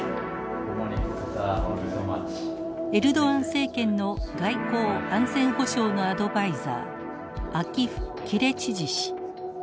エルドアン政権の外交・安全保障のアドバイザーアキフ・キレチジ氏。